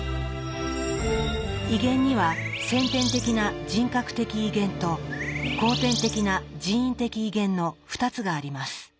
威厳には「先天的な人格的威厳」と「後天的な人為的威厳」の２つがあります。